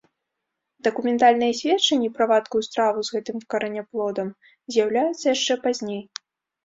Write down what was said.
Дакументальныя сведчанні пра вадкую страву з гэтым караняплодам з'яўляюцца яшчэ пазней.